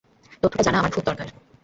তথ্যটা জানা আমার খুব দরকার।